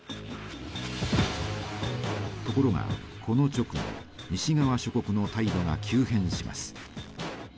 ところがこの直後西側諸国の態度が急変します。